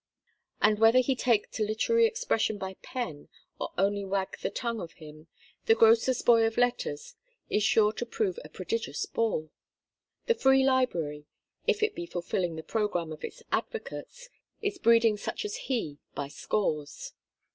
And whether he take to literary expression by pen or only wag the tongue of him, the grocer's boy of letters is sure to prove a prodigious bore. The Free Library, if it be fulfilling the programme of its advocates, is breeding such as he by scores.